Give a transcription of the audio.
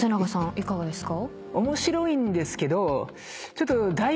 いかがですか？